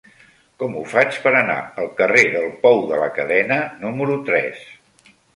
Com ho faig per anar al carrer del Pou de la Cadena número tres?